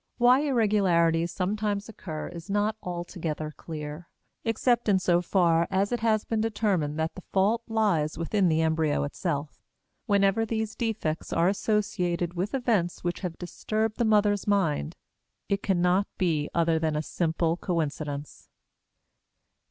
Why irregularities sometimes occur is not altogether clear; except in so far as it has been determined that the fault lies within the embryo itself. Whenever these defects are associated with events which have disturbed the mother's mind, it cannot be other than a simple coincidence.